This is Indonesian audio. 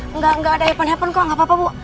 enggak ada apa apa kok gak apa apa bu